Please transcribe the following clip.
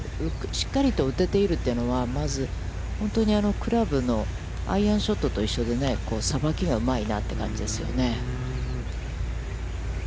しっかりと打てているというのは、本当にクラブのアイアンショットと一緒でね、さばきがうまいなという感じですよね。